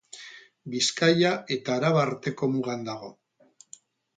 Bizkaia eta Araba arteko mugan dago.